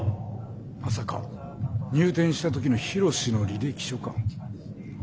まさか入店した時の緋炉詩の履歴書か？